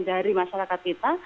dari masyarakat kita